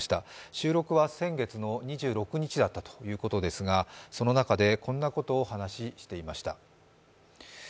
収録は先月の２６日だったということですが、その中で、こんなことをお話ししていました。